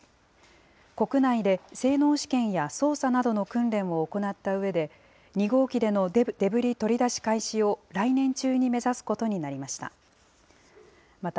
国内で性能試験や操作などの訓練を行ったうえで、２号機でのデブリ取り出し開始を来年中に目指すことになりました。